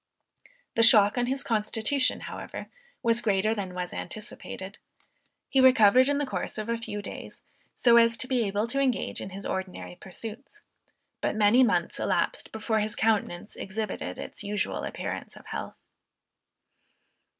The shock on his constitution, however, was greater than was anticipated. He recovered in the course of a few days, so as to be able to engage in his ordinary pursuits; but many months elapsed before his countenance exhibited its usual appearance of health.